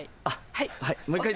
はい。